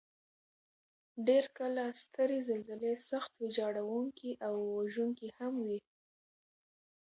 ډېر کله سترې زلزلې سخت ویجاړونکي او وژونکي هم وي.